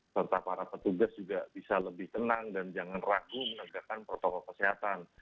serta para petugas juga bisa lebih tenang dan jangan ragu menegakkan protokol kesehatan